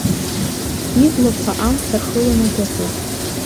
Иблақәа амца рхыланы дыҟоуп.